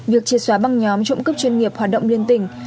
việc chìa sỏa bằng nhóm trộm cướp chuyên nghiệp hoạt động liên tình